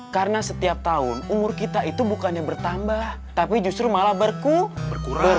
karena setiap tahun umur kita itu bukannya bertambah tapi justru malah berkurang